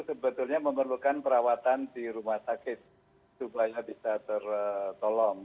sebetulnya memerlukan perawatan di rumah sakit supaya bisa tertolong